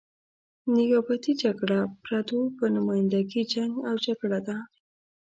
نیابتي جګړه پردو په نماینده ګي جنګ او جګړه ده.